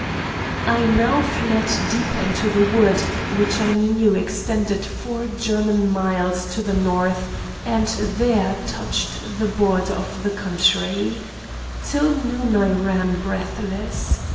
"I now fled deeper into the wood, which I knew extended four German miles to the north, and there touched the border of the country. Till noon I ran breathless.